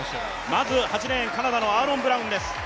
まず８レーン、カナダのアーロン・ブラウンです。